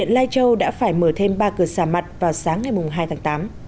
lai châu đã phải mở thêm ba cửa xà mặt vào sáng ngày hai tháng tám